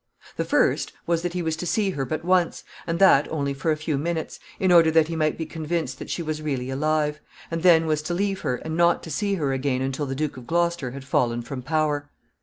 The first was that he was to see her but once, and that only for a few minutes, in order that he might be convinced that she was really alive, and then was to leave her and not to see her again until the Duke of Gloucester had fallen from power.